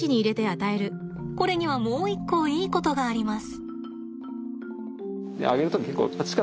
これにはもう一個いいことがあります。